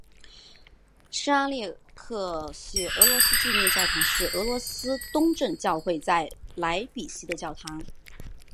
圣阿列克谢俄罗斯纪念教堂是俄罗斯东正教会在莱比锡的教堂。